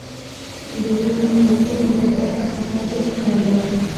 د ډېرو ملکونو ثبات ته خطر پېښ کړی دی.